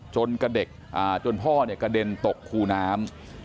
จนกระเด็กจนพ่อเนี่ยกระเด็นตกคู่น้ำ